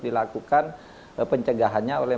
dilakukan pencegahannya oleh